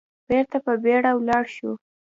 بېرته په بيړه ولاړ شو.